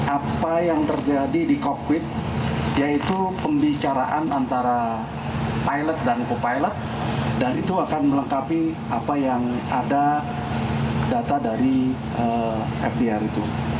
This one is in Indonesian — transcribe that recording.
apa yang terjadi di kokpit yaitu pembicaraan antara pilot dan co pilot dan itu akan melengkapi apa yang ada data dari fdr itu